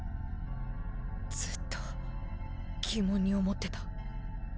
ずっと疑問に思ってた。